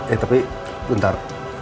eh tapi bentar